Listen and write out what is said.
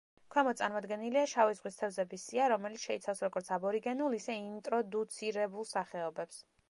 ქვემოთ წარმოდგენილია შავი ზღვის თევზების სია, რომელიც შეიცავს როგორც აბორიგენულ, ისე ინტროდუცირებულ სახეობებს.